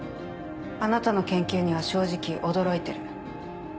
あなたの研究には正直驚いてる。